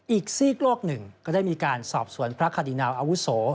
อีกซีกโลกหนึ่งก็ได้มีการสอบสวนพระคดีนาวอาวุโส